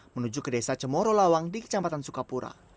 menuju ke desa cemoro lawang di kecamatan sukapura